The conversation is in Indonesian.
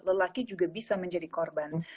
lelaki juga bisa menjadi korban